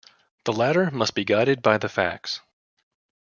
The latter must be guided by the facts.